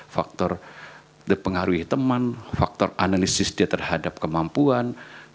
faktor pengaruhi teman faktor analisis dia terhadap kemampuan